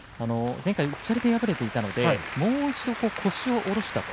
前回うっちゃりで敗れていたのでもう一度腰を下ろしたと。